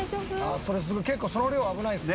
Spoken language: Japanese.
結構その量危ないっすね。